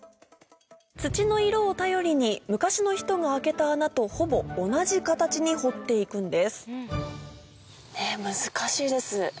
土の色を頼りに昔の人が開けた穴とほぼ同じ形に掘って行くんですえ難しいです。